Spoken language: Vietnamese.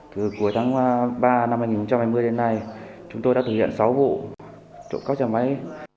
từ cuối tháng ba năm hai nghìn hai mươi đến nay chúng tôi đã thực hiện sáu vụ trộm cắp xe máy